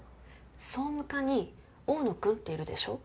総務課に多野くんっているでしょ？